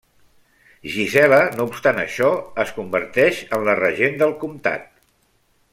Gisela, no obstant això, es converteix en la regent del comtat.